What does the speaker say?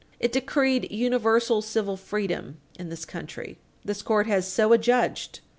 It decreed universal civil freedom in this country. This court has so adjudged.